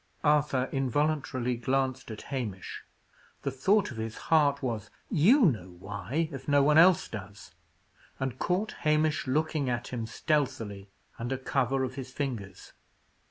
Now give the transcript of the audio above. Arthur involuntarily glanced at Hamish; the thought of his heart was, "You know why, if no one else does;" and caught Hamish looking at him stealthily, under cover of his fingers.